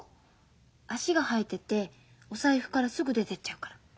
足が生えててお財布からすぐ出てっちゃうから。